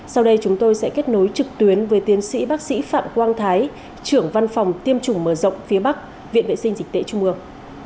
sau đây chúng tôi sẽ kết nối trực tuyến với tiến sĩ bác sĩ phạm quang thái trưởng văn phòng tiêm chủng mở rộng phía bắc viện vệ sinh dịch tễ trung ương